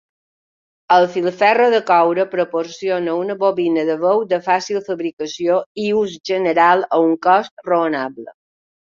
El filferro de coure proporciona una bobina de veu de fàcil fabricació i ús general a un cost raonable.